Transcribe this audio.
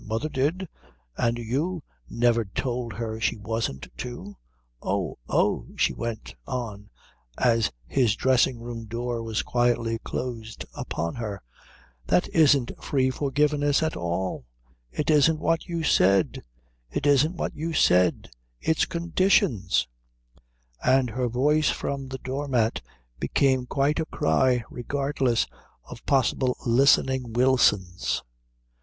Mother did, and you never told her she wasn't to. Oh, oh " she went on, as his dressing room door was quietly closed upon her, "that isn't free forgiveness at all it isn't what you said it isn't what you said it's conditions."... And her voice from the doormat became quite a cry, regardless of possible listening Wilsons.